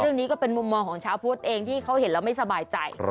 เรื่องนี้ก็เป็นมุมมองของชาวพุทธเองที่เขาเห็นแล้วไม่สบายใจ